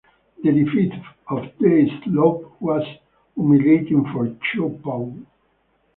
The defeat at Dai Slope was humiliating for Chu Pou.